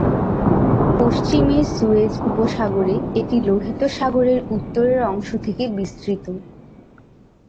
পশ্চিমে সুয়েজ উপসাগরে এটি লোহিত সাগরের উত্তরের অংশ থেকে বিস্তৃত।